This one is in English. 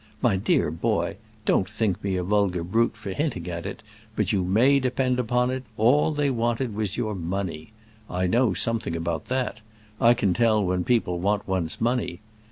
My dear boy, don't think me a vulgar brute for hinting at it, but you may depend upon it, all they wanted was your money. I know something about that; I can tell when people want one's money!